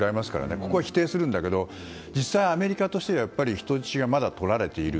ここは否定するんだけど実際、アメリカとしては人質がまだとられている。